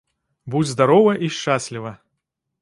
Будзь здарова і шчасліва!